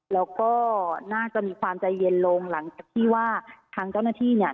แล้วก็น่าจะมีความใจเย็นลงหลังจากที่ว่าทางเจ้าหน้าที่เนี่ย